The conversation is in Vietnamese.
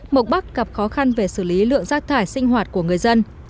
mộc bắc gặp khó khăn về xử lý lượng rác thải sinh hoạt của người dân